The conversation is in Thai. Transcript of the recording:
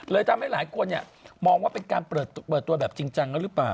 เลยตามให้หลายคนเนี่ยมองว่าเป็นการเปิดตัวเปิดตัวแบบจริงจังแล้วหรือเปล่า